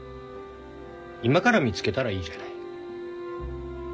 今から見つけたらいいじゃない。